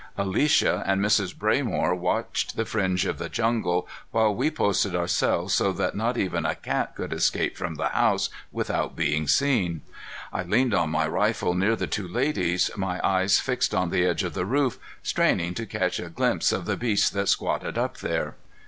Alicia and Mrs. Braymore watched the fringe of jungle while we posted ourselves so that not even a cat could escape from the house without being seen. I leaned on my rifle near the two ladies, my eyes fixed on the edge of the roof, straining to catch a glimpse of the beast that squatted up there.